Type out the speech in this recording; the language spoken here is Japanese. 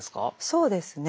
そうですね。